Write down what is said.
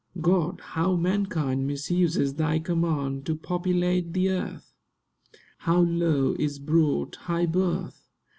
God! how mankind misuses Thy command, To populate the earth! How low is brought high birth!